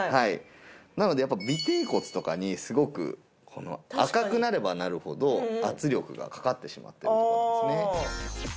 なのでやっぱり尾てい骨とかにすごくこの赤くなればなるほど圧力がかかってしまっているところなんですね。